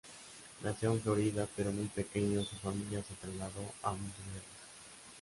Nació en Florida pero muy pequeño, su familia se trasladó a Montevideo.